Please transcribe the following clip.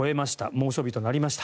猛暑日となりました。